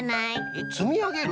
えっつみあげる？